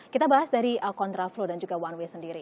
kita bahas dari kontraflow dan juga one way sendiri